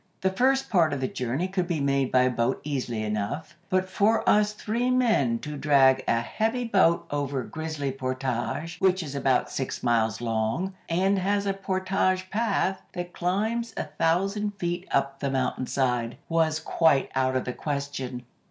The first part of the journey could be made by boat easily enough, but for us three men to drag a heavy boat over Grizzly Portage, which is about six miles long, and has a portage path that climbs a thousand feet up the mountain side, was quite out of the question.